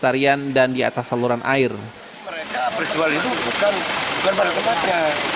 mereka berjual itu bukan pada tempatnya